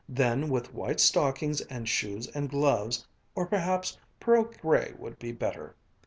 Then, with white stockings and shoes and gloves or perhaps pearl gray would be better.